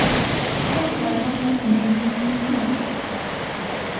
生活中的每一分细节